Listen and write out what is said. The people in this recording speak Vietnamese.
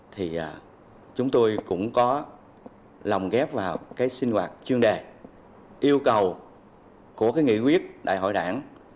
thì chúng tôi cũng có lồng ghép vào cái sinh hoạt chuyên đề yêu cầu của cái nghị quyết đại hội đảng